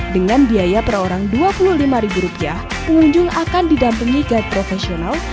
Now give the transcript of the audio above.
dengan biaya per orang dua puluh lima pengunjung akan didampingi guide profesional